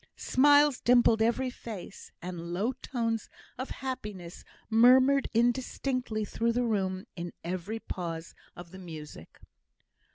Smiles dimpled every face, and low tones of happiness murmured indistinctly through the room in every pause of the music.